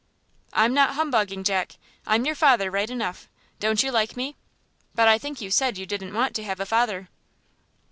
"I'm not humbugging, Jack. I'm your father right enough. Don't you like me? But I think you said you didn't want to have a father?"